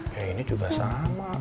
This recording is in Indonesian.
ya ini juga sama